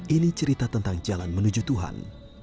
ini cerita tentang jalan menuju tuhan